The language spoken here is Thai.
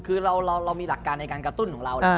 คือเรามีหลักการในการกระตุ้นของเรา